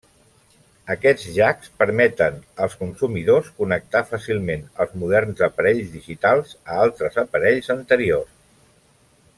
Aquests jacks permeten als consumidors connectar fàcilment els moderns aparells digitals a altres aparells anteriors.